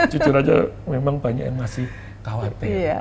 jujur aja memang banyak yang masih khawatir